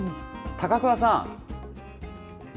高鍬さん。